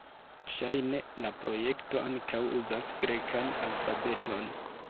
Ŝajne la projekto ankaŭ uzas grekan alfabeton.